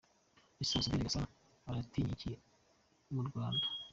Ese Ambasaderi Gasana aratinya iki mu Rwanda?